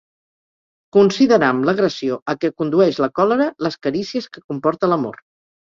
Consideram l'agressió a què condueix la còlera, les carícies que comporta l'amor.